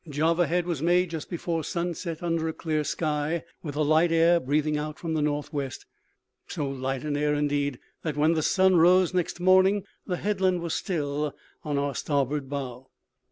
Java Head was made just before sunset, under a clear sky, with a light air breathing out from the north west so light an air, indeed, that when the sun rose next morning the headland was still on our starboard bow.